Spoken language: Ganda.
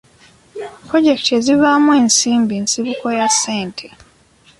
Pulojekiti ezivaamu ensimbi nsibuko ya ssente.